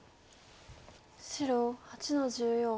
白８の十四。